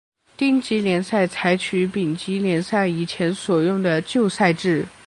丁级联赛采取丙级联赛以前所用的旧赛制。